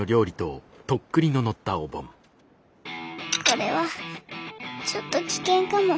これはちょっと危険かも。